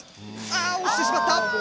あ落ちてしまった！